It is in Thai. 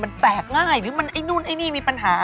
มันแตกง่ายหรือมันไอ้นู่นไอ้นี่มีปัญหา